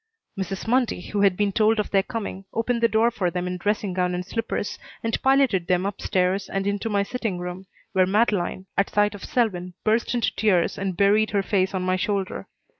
Mrs. Mundy, who had been told of their coming, opened the door for them in dressing gown and slippers, and piloted them up stairs and into my sitting room, where Madeleine, at sight of Selwyn, burst into tears and buried her face on my shoulder.